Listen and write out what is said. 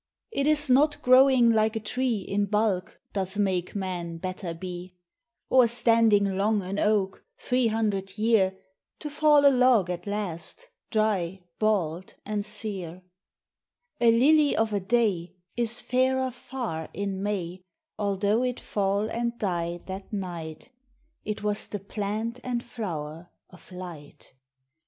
It is not growing like a tree In bulk, doth make man better be ; r Or standing long an oak, three hundred year, To fall a log at last, dry, bald, and sear : A lily of a day Is fairer far in May, Although it fall and die that night, — It was the plant and flower of Light.